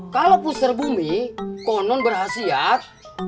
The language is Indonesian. kalau pusar bumi konon berhasiat